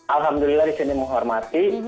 alhamdulillah di sini menghormati